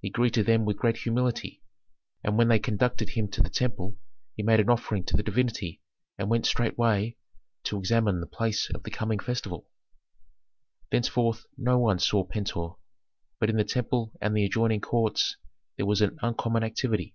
He greeted them with great humility, and when they conducted him to the temple he made an offering to the divinity and went straightway to examine the place of the coming festival. Thenceforth no one saw Pentuer, but in the temple and the adjoining courts there was an uncommon activity.